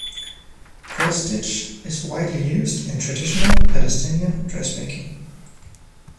Cross stitch is widely used in traditional Palestinian dressmaking.